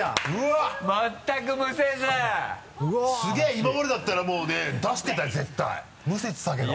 今までだったらもうね出してたよ絶対むせてたけど。